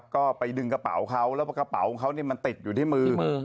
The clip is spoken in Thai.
ก็ไปดึงกระเป๋าเขาแล้วกระเป๋าของเขามันติดอยู่ที่มือ